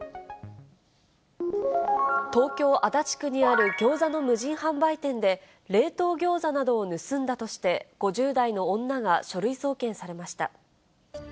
東京・足立区にあるギョーザの無人販売店で、冷凍ギョーザなどを盗んだとして、５０代の女が書類送検されました。